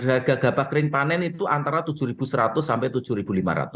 harga gabah kering panen itu antara rp tujuh seratus sampai rp tujuh lima ratus